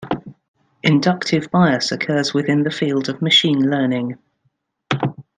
Inductive bias occurs within the field of machine learning.